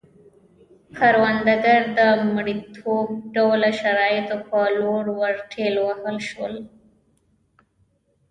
کروندګر د مریتوب ډوله شرایطو په لور ورټېل وهل شول.